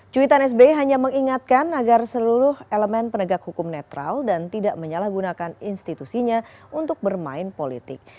cuitan sbi hanya mengingatkan agar seluruh elemen penegak hukum netral dan tidak menyalahgunakan institusinya untuk bermain politik